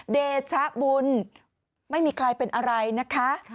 เดชบุญไม่มีใครเป็นอะไรนะคะ